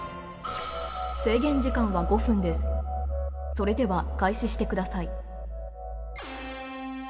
それでは開始してください